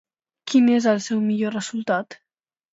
Quin és el seu millor resultat?